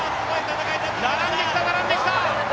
並んできた、並んできた！